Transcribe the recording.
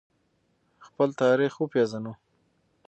خپل تاریخ وپیژنو.